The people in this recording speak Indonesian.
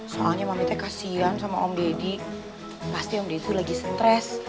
soalnya mamitnya kasian sama om deddy pasti om deddy itu lagi stres